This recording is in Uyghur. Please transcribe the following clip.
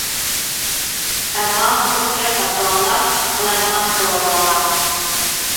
ئەمما قۇرۇق گەپ ساتىدىغانلار قالايمىقان كىرىۋالماڭلار.